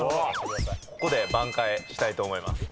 ここで挽回したいと思います。